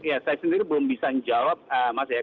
ya saya sendiri belum bisa menjawab mas ya